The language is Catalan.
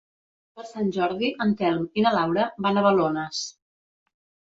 Per Sant Jordi en Telm i na Laura van a Balones.